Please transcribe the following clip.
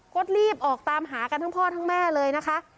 ก็รีบออกตามหากันทั้งพ่อทั้งแม่เลยนะคะ